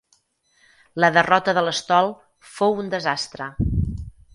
La derrota de l'estol fou un desastre.